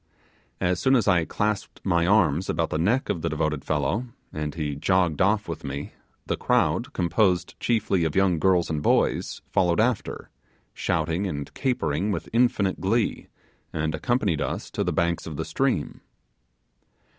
As soon as I clasped my arms about the neck of the devoted fellow, and he jogged off with me, the crowd composed chiefly of young girls and boys followed after, shouting and capering with infinite glee, and accompanied us to the banks of the stream.